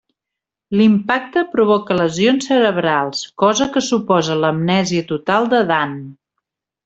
L'impacte provoca lesions cerebrals, cosa que suposa l'amnèsia total de Dan.